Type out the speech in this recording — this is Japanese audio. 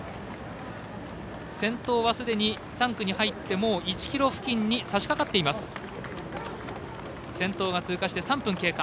先頭はすでに３区に入ってもう１ｋｍ付近にさしかかっています。